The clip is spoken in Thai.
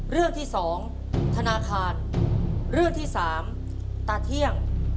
เรื่องที่สองธนาคารเรื่องที่สามตาเที่ยง